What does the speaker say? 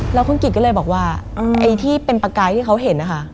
แล้วคุณกิจก็เลยบอกว่าไอ้ที่เป็นประกายที่เขาเห็นนะคะ